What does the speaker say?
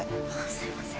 すいません。